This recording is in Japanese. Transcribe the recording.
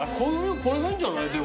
これがいいんじゃない？